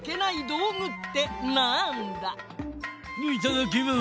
いただきます！